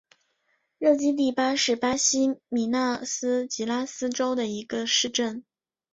热基蒂巴是巴西米纳斯吉拉斯州的一个市镇。